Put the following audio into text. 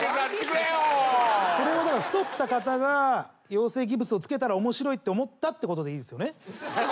これは太った方が養成ギプスをつけたら面白いって思ったってことでいいですよね？